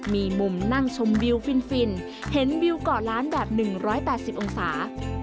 มีมุมนั่งชมวิวฟินเห็นวิวเกาะล้านแบบ๑๘๐องศา